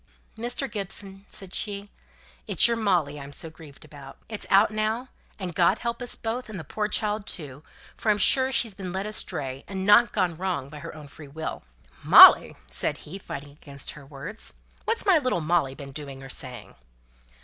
"Mr. Gibson," said she, "it's your Molly I'm so grieved about. It's out now, and God help us both, and the poor child too, for I'm sure she's been led astray, and not gone wrong by her own free will!" "Molly!" said he, fighting against her words. "What's my little Molly been doing or saying?"